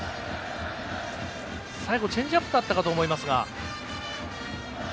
最後、チェンジアップだったかと思いますが。